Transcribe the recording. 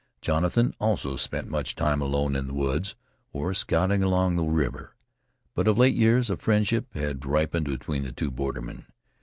Jonathan also spent much time alone in the woods, or scouting along the river. But of late years a friendship had ripened between the two bordermen.